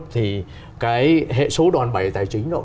thì cái hệ số đoàn bảy tài chính đó